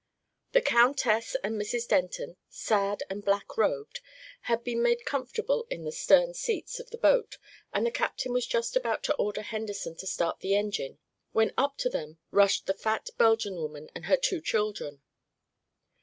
The countess and Mrs. Denton, sad and black robed, had been made comfortable in the stern seats of the boat and the captain was just about to order Henderson to start the engine when up to them rushed the fat Belgian woman and her two children.